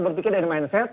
berpikir dari mindset